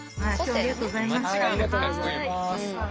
ありがとうございます。